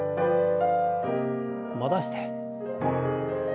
戻して。